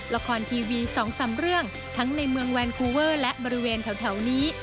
ละครทีวี๒๓เรื่องทั้งในเมืองแวนคูเวอร์และบริเวณแถวนี้